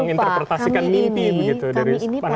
menginterpretasikan mimpi begitu dari pandangan